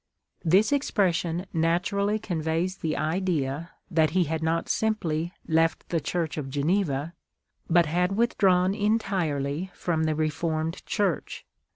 "^ This expression naturally conveys the idea that lie had not simply left the Church of Geneva, but had withdrawn en tirely from the Reformed Church.